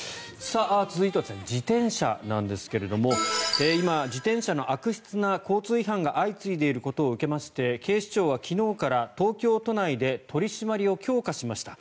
続いては自転車なんですが今、自転車の悪質な交通違反が相次いでいることを受けまして警視庁は昨日から東京都内で取り締まりを強化しました。